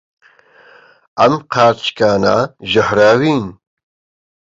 ئەم قارچکانە ژەهراوین.